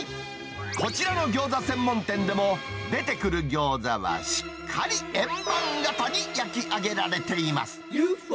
こちらの餃子専門店でも、出てくる餃子はしっかり円盤型に焼き上げられています。